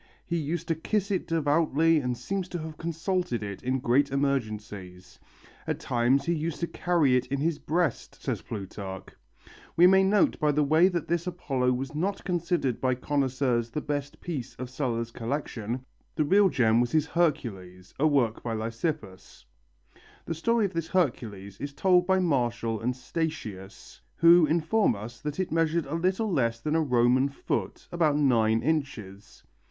He used to kiss it devoutly and seems to have consulted it in great emergencies. At times he used to carry it in his breast, says Plutarch. We may note by the way that this Apollo was not considered by connoisseurs the best piece of Sulla's collection, the real gem was his Hercules, a work by Lysippus. The story of this Hercules is told by Martial and Statius, who inform us that it measured a little less than a Roman foot, about nine inches.